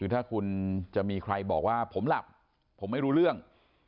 ถ้าคุณจะมีใครบอกว่าผมหลับผมไม่รู้เรื่อง